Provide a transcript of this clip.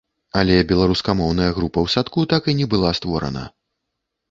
Але беларускамоўная група ў садку так і не была створана.